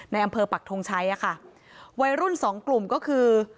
ในอำเภอปักทงชัยอะค่ะวัยรุ่นสองกลุ่มก็คือ